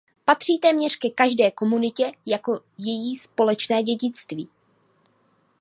Patří téměř ke každé komunitě jako její společné dědictví.